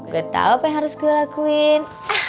gue tau apa yang harus gue lakuin